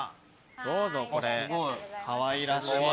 どうぞこれかわいらしい。